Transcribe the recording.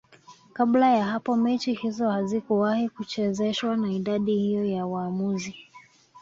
kabla ya hapo mechi hizo hazikuwahi kuchezeshwa na idadi hiyo ya waamuzi